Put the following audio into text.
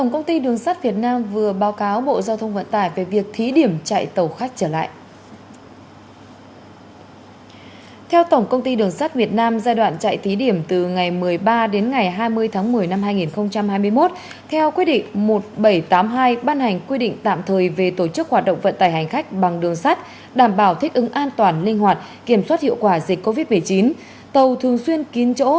bộ trưởng bộ giao thông vận tải nhằm đảm bảo cho hoạt động vận tải bằng xe ô tô được lưu thông kịp thời